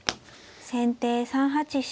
先手３八飛車。